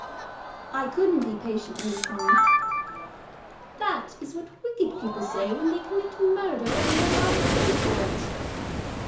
"I couldn't be patient, Lady Fawn." "That is what wicked people say when they commit murder, and then they are hung for it."